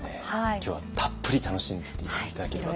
今日はたっぷり楽しんでいって頂ければと。